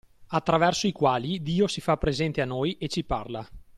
Attraverso i quali Dio si fa presente a noi e ci parla